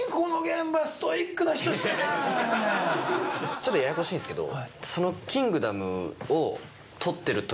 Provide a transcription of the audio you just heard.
ちょっとややこしいんですけど。